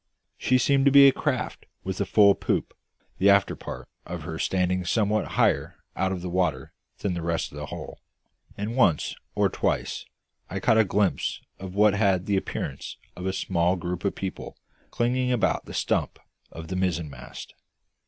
She seemed to be a craft with a full poop, the after part of her standing somewhat higher out of the water than the rest of the hull; and once or twice I caught a glimpse of what had the appearance of a small group of people clinging about the stump of the mizzenmast.